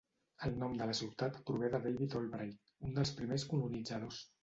El nom de la ciutat prové de David Albright, un dels primers colonitzadors.